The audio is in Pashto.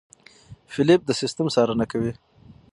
فېلېپ د سیستم څارنه کوي.